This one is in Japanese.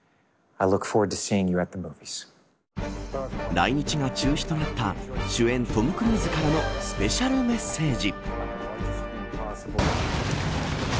来日が中止となった主演トム・クルーズからのスペシャルメッセージ。